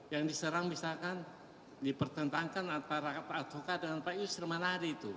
yang diserang misalkan dipertentangkan antara pak adhokat dan pak yusri manahari itu